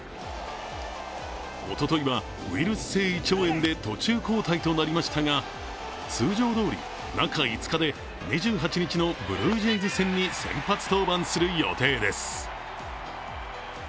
おとといは、ウイルス性胃腸炎で途中交代となりましたが通常どおり、中５日で２８日のブルージェイズ戦に先発登板する予定です。